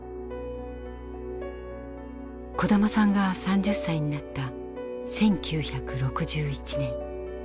小玉さんが３０歳になった１９６１年。